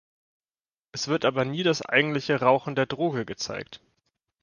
Es wird aber nie das eigentliche Rauchen der Droge gezeigt.